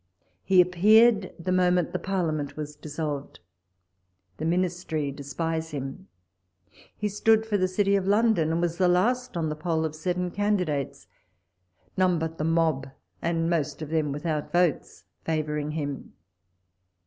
He appeared the moment the Parliament was dissolved. The Ministry despise him. He stood for the City of London, and was the last on the poll of seven candidates, none but the mob, and most of them without votes, favouring him.